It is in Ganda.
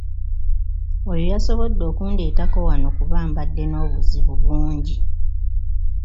Oyo y'asobodde okundeetako wano kuba mbadde n'obuzibu bungi.